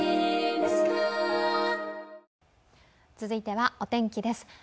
続いてはお天気です